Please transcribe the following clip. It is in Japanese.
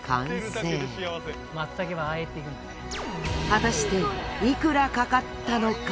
果たしていくらかかったのか？